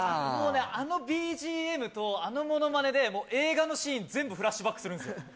もうねあのＢＧＭとあのものまねで映画のシーン全部フラッシュバックするんですよ